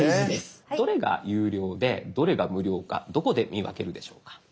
どれが有料でどれが無料かどこで見分けるでしょうか？